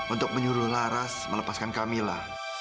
untuk menyuruh laras melepaskan kamilah